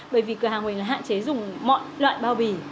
bởi vì cửa hàng mình là hạn chế dùng mọi loại bao bì